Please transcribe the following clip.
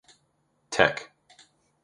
Tech.